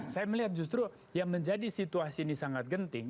saya melihat justru yang menjadi situasi ini sangat genting